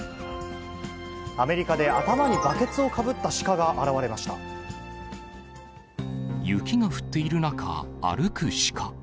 アメリカで頭にバケツをかぶ雪が降っている中、歩くシカ。